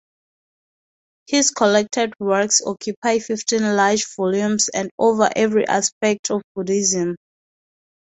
His collected works occupy fifteen large volumes and over every aspect of Buddhism.